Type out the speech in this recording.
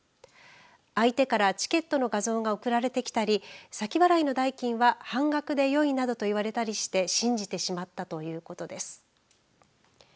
相手からチケットの画像が送られてきたり先払いの代金は半額でよいなどと言われたりして信じてしまったということです。